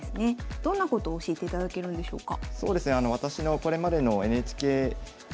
どんなことを教えていただけるんでしょうか？